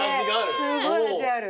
すごい味がある。